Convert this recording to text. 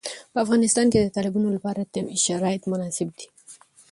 په افغانستان کې د تالابونو لپاره طبیعي شرایط مناسب دي.